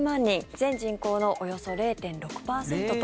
全人口のおよそ０．６％と。